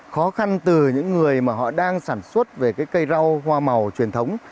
khó khăn từ những người mà họ đang sản xuất về cái cây rau hoa màu truyền thống